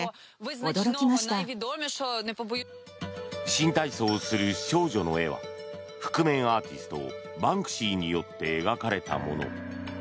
新体操する少女の絵は覆面アーティストバンクシーによって描かれたもの。